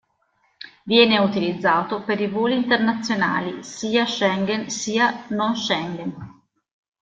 Viene utilizzato per i voli internazionali, sia Schengen sia non-Schengen.